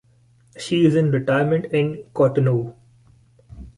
She is in retirement in Cotonou.